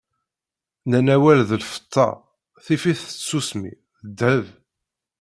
Nnan awal d lfeṭṭa, tif-it tsusmi, d ddheb.